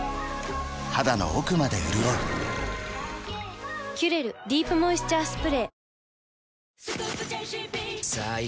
肌の奥まで潤う「キュレルディープモイスチャースプレー」